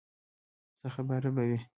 څه خبره به وي.